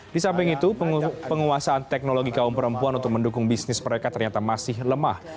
di samping itu penguasaan teknologi kaum perempuan untuk mendukung bisnis mereka ternyata masih lemah